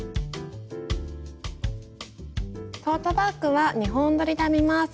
トートバッグは２本どりで編みます。